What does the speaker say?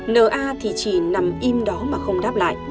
na thì chỉ nằm im đó mà không đáp lại